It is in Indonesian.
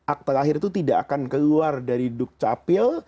akte lahir itu tidak akan keluar dari dukcapil